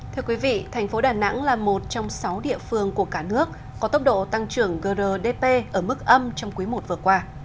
thưa quý vị thành phố đà nẵng là một trong sáu địa phương của cả nước có tốc độ tăng trưởng grdp ở mức âm trong quý i vừa qua